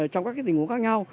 trong các tình huống khác nhau